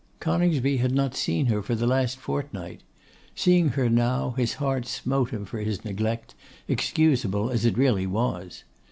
Coningsby had not seen her for the last fortnight. Seeing her now, his heart smote him for his neglect, excusable as it really was.